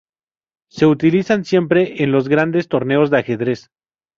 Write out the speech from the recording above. Se utilizan siempre en los grandes torneos de ajedrez.